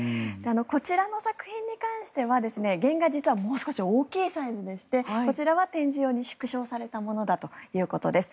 こちらの作品に関しては原画、実はもう少し大きいサイズでしてこちらは展示用に縮小されたものだということです。